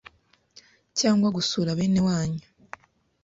cyangwa gusura bene wanyu